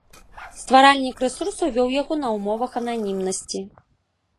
Стваральнік рэсурсу вёў яго на ўмовах ананімнасці.